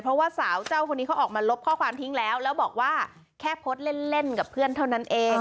เพราะว่าสาวเจ้าคนนี้เขาออกมาลบข้อความทิ้งแล้วแล้วบอกว่าแค่โพสต์เล่นกับเพื่อนเท่านั้นเอง